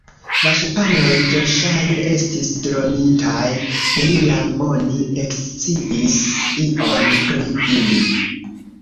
La ŝipanoj verŝajne estis dronintaj, neniam oni eksciis ion pri ili.